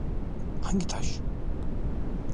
Hangi taş?